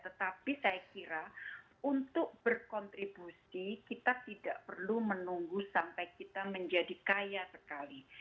tetapi saya kira untuk berkontribusi kita tidak perlu menunggu sampai kita menjadi kaya sekali